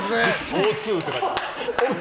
Ｏ２って書いてある。